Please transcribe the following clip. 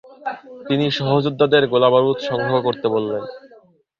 তিনি সহযোদ্ধাদের গোলাবারুদ সংগ্রহ করতে বললেন।